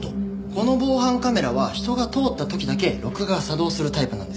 この防犯カメラは人が通った時だけ録画作動するタイプなんです。